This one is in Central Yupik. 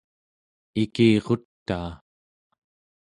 ikirutaa